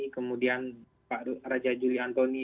kemudian pak raja juli antoni